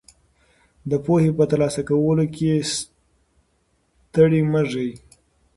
د پوهې په ترلاسه کولو کې ستړي مه ږئ.